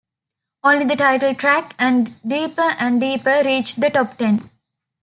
Only the title track and "Deeper and Deeper" reached the top ten.